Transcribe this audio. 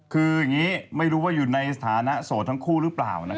คืออย่างนี้ไม่รู้ว่าอยู่ในสถานะโสดทั้งคู่หรือเปล่า